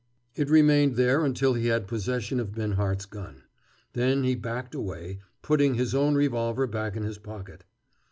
It remained there until he had possession of Binhart's gun. Then he backed away, putting his own revolver back in his pocket.